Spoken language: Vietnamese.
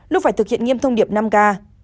luôn phải thực hiện nghiêm thông điệp năm k